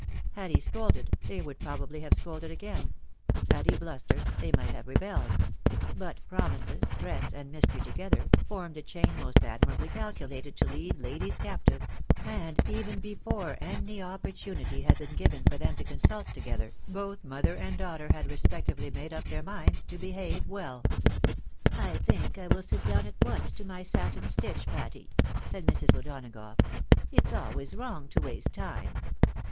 Had he scolded, they would probably have scolded again ; had he blustered, they might have rebelled ; but promises, threats, and mystery together, formed a chain most admirably calculated to lead ladies captive ; and even before any opportunity had been given for them to consult together, both mother and daughter had respectively made up their minds to behave well. " I think I wiU sit down at once to my satin stitch, Patty," said Mrs. O'Donagough ;" it's always wrong to waste time.